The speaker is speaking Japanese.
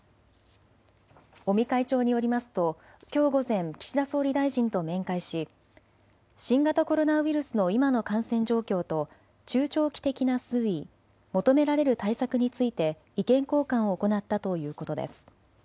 尾身会長によりますときょう午前、岸田総理大臣と面会し新型コロナウイルスの今の感染状況と中長期的な推移、求められる対策について意見交換を行ったということです。